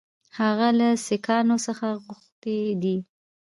هغه له سیکهانو څخه غوښتي دي.